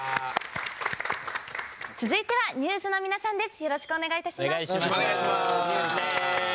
続いてはＮＥＷＳの皆さんです。